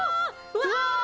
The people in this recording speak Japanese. うわ！